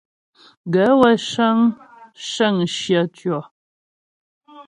Gaə̂ wə́ cə́ŋ shə́ŋ shyə tyɔ̀.